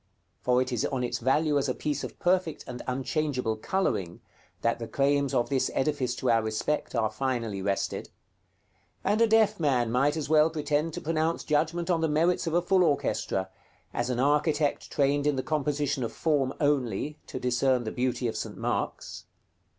For it is on its value as a piece of perfect and unchangeable coloring, that the claims of this edifice to our respect are finally rested; and a deaf man might as well pretend to pronounce judgment on the merits of a full orchestra, as an architect trained in the composition of form only, to discern the beauty of St. Mark's.